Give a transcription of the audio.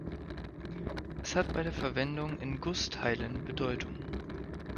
Es hat bei der Verwendung in Gussteilen Bedeutung.